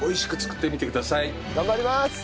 頑張ります！